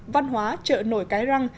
văn hóa chợ nổi cái răng